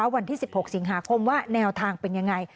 วันที่๑๖สิงหาคมว่าแนวทางเป็นยังไง